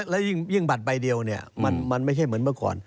แล้วยิ่งบัตรใบเดียวมันไม่ใช่เหมือนเมื่อก่อน